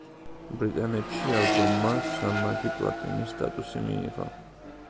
ბრიტანეთში ალბომმა სამმაგი პლატინის სტატუსი მიიღო.